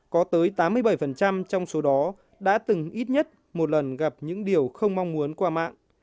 có tới tám mươi bảy trong số đó đã từng ít nhất một lần gặp những điều không mong muốn qua mạng